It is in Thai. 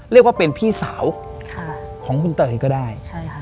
เรียกว่าเป็นพี่สาวของคุณเตยก็ได้